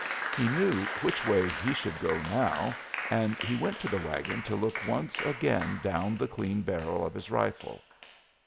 He knew which way he should go now, and he went to the wagon to look once again down the clean barrel of his rifle.